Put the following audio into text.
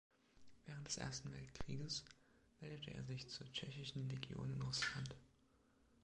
Während des Ersten Weltkrieges meldete er sich zur tschechischen Legion in Russland.